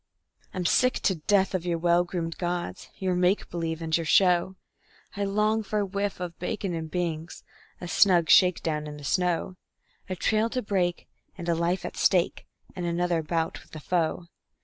I'm sick to death of your well groomed gods, your make believe and your show; I long for a whiff of bacon and beans, a snug shakedown in the snow; A trail to break, and a life at stake, and another bout with the foe.